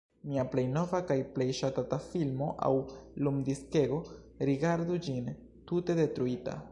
Mia plej nova kaj plej ŝatata filmo aŭ lumdiskego, rigardu ĝin: tute detruita.